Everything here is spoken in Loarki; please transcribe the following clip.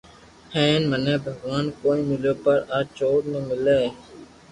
ھين مني ڀگوان ڪوئي مليو پر آ چور ني ملي